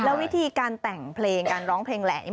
แล้ววิธีการแต่งเพลงการร้องเพลงแหละ